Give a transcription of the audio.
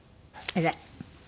偉い！